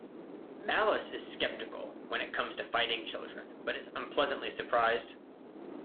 Malice is skeptical when it comes to fighting children but is unpleasantly surprised.